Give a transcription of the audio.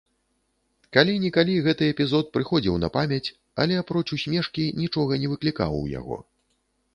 Калі-нікалі гэты эпізод прыходзіў на памяць, але, апроч усмешкі, нічога не выклікаў у яго.